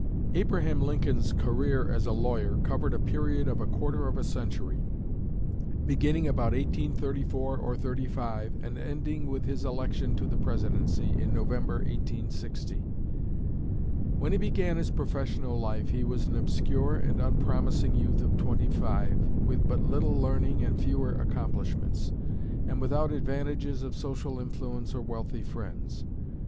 Abraham Lincoln's career as a lawyer covered a period of a quarter of a century, beginning about 1834 or '35, and ending with his election to the Presidency, in November, 1860. When he began his professional life he was an obscure and unpromising youth of twenty five, with but little learning and fewer accomplishments, and without advantages of social influence or wealthy friends.